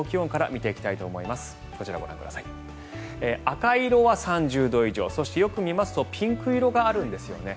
赤色は３０度以上そして、よく見ますとピンク色があるんですよね。